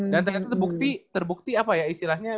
dan itu terbukti terbukti apa ya